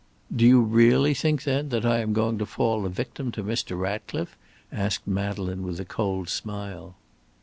"Do you really think, then, that I am going to fall a victim to Mr. Ratcliffe?" asked Madeleine, with a cold smile.